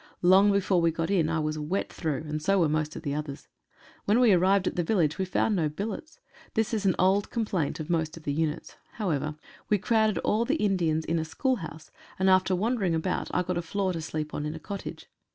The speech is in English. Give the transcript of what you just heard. Long before we got in I was wet through, and so were most of the others. When we arrived at the village we found no billets. This is an old complaint of most of the units. However, we crowded all the Indians in a schoolhouse, and after wandering about I got a floor to sleep on in a cottage.